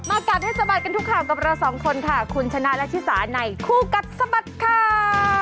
กัดให้สะบัดกันทุกข่าวกับเราสองคนค่ะคุณชนะและชิสาในคู่กัดสะบัดข่าว